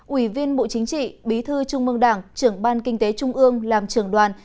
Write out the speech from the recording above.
ủy viên bộ chính trị bí thư trung mương đảng trưởng ban kinh tế trung ương làm trưởng đoàn